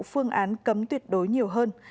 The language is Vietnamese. phương án cấm tuyệt đối nhiều hơn